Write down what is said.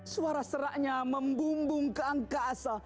suara seraknya membumbung ke angkasa